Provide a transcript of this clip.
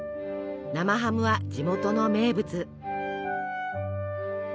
生ハムは地元の名物。